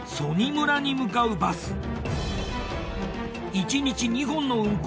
１日２本の運行。